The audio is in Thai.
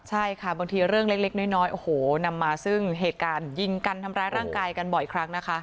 ใช่ค่ะบางทีเรื่องเล็กน้อยโอ้โหนำมาซึ่งเหตุการณ์ยิงกันทำร้ายร่างกายกันบ่อยครั้งนะคะ